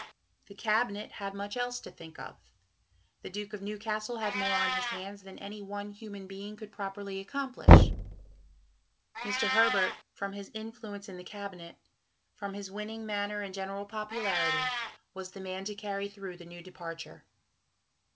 The Cabinet had much else to think of. The Duke of Newcastle had more on his hands than any one human being could properly accomplish. Mr. Herbert, from his influence in the Cabinet, from his winning manner and general popularity, was the man to carry through the new departure.